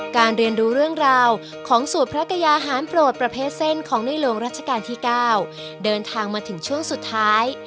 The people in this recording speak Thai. เรียนรู้เรื่องราวของสูตรพระกยาหารโปรดประเภทเส้นของในหลวงรัชกาลที่๙เดินทางมาถึงช่วงสุดท้าย